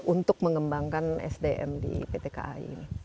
untuk mengembangkan sdm di pt kai ini